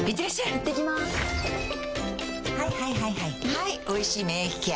はい「おいしい免疫ケア」